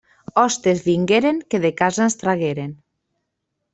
Hostes vingueren que de casa ens tragueren.